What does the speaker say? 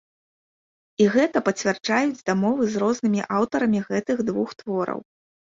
І гэта пацвярджаюць дамовы з рознымі аўтарамі гэтых двух твораў.